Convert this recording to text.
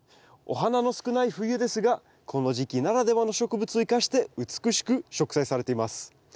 お花の少ない冬ですがこの時期ならではの植物を生かして美しく植栽されています。